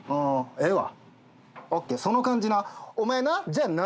ええわ。